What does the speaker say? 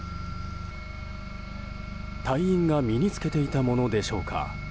隊員が身に着けていたものでしょうか。